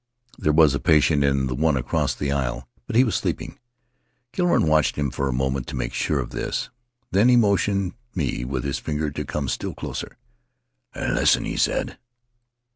There was a patient in the one across the aisle, but he was sleeping. Killo rain watched him for a moment to make sure of this. Then he motioned me with his finger to come still closer. 'Listen!' he said.